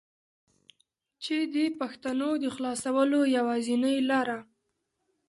چې دې پښتنو د خلاصونو يوازينۍ لاره